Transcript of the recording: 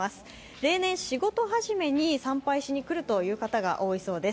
例年仕事始めに参拝しに来るという方が多いそうです。